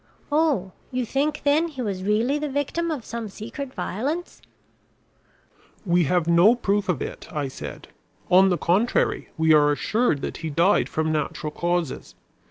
"Oh, you think, then, he was really the victim of some secret violence." "We have no proof of it," I said. "On the contrary, we are assured that he died from natural causes.